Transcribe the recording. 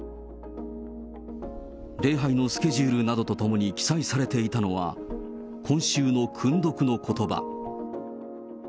礼拝のスケジュールなどと共に記載されていたのは、今週の訓読の言葉。